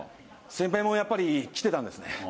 先頭もやっぱり来てたんですね。